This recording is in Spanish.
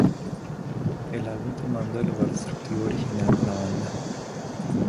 El álbum tomando el lugar destructivo original de la banda.